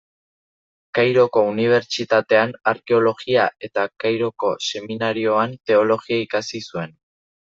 Kairoko Unibertsitatean arkeologia eta Kairoko seminarioan teologia ikasi zuen.